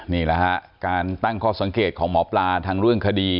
นี่แหละฮะการตั้งข้อสังเกตของหมอปลาทางเรื่องคดี